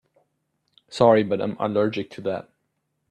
Sorry but I'm allergic to that.